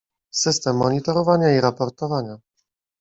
System monitorowania i raportowania